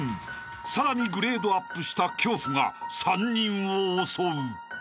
［さらにグレードアップした恐怖が３人を襲う］